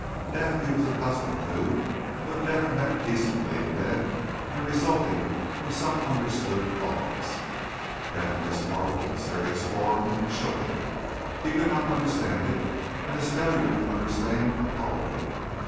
Death he was accustomed to but death met decently in bed and resulting from some understood cause. Death in this horrible and mysterious form shook him; he could not understand it, and his failure to understand appalled him.